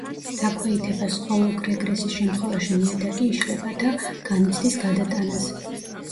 დაქვეითებას, ხოლო რეგრესის შემთვევაში ნიადაგი იშლება და განიცდის გადატანას.